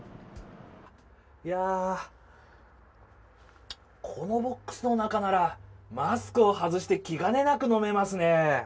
いやあこのボックスの中なら、マスクを外して気兼ねなく飲めますね。